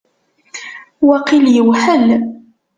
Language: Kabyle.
Waqil yewḥel.